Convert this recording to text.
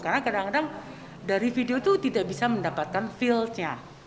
karena kadang kadang dari video itu tidak bisa mendapatkan feel nya